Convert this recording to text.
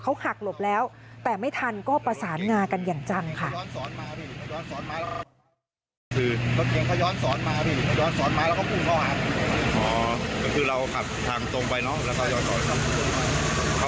เขาหักหลบแล้วแต่ไม่ทันก็ประสานงากันอย่างจังค่ะ